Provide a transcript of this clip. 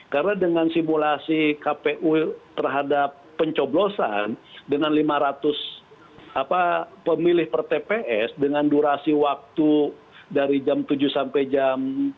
karena dengan simulasi kpu terhadap pencoblosan dengan lima ratus pemilih per tps dengan durasi waktu dari jam tujuh sampai jam